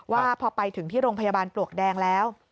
ว่าพอไปถึงที่โรงพยาบาลปลวกแดงแล้ว